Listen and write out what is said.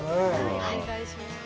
お願いします。